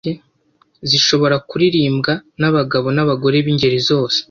zishobora kuririmbwa nabagabo nabagore bingeri zose.